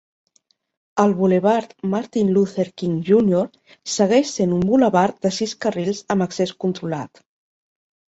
El bulevard Martin Luther King Junior segueix sent un bulevard de sis carrils amb accés controlat.